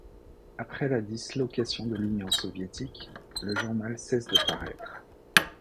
Après la dislocation de l'Union soviétique, le journal cesse de paraître.